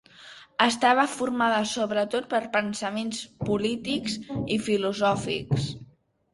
Estava formada sobretot per pensaments polítics i filosòfics.